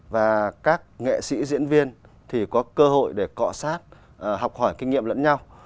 và các nghệ sĩ diễn viên thì có cơ hội để cọ sát học hỏi kinh nghiệm lẫn nhau